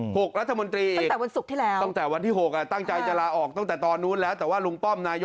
โหกรัฐมนตรีอีกตั้งแต่วันที่๖ตั้งใจจะลาออกตั้งแต่ตอนนู้นแล้วตั้งแต่วันศุกร์ที่แล้ว